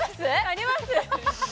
あります